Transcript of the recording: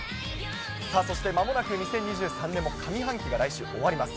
そして、まもなく２０２３年も上半期が来週、終わります。